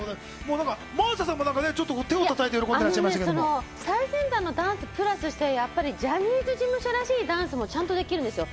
真麻さんもね、手をたたいて最先端のダンスにプラスして、ジャニーズらしいダンスもちゃんとできるんですよ。